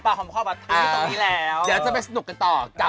ผมจะขอเลือก